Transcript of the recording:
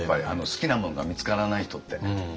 好きなものが見つからない人って。